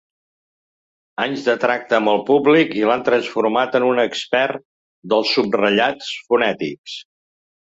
Anys de tracte amb el públic l'han transformat en un expert dels subratllats fonètics.